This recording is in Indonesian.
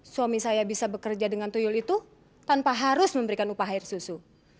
suami saya bisa bekerja dengan tuyul itu tanpa harus memberikan upah air susu